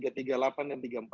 kan ditulis dengan sengaja